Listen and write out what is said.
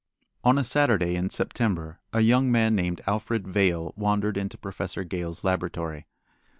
On a Saturday in September a young man named Alfred Vail wandered into Professor Gale's laboratory.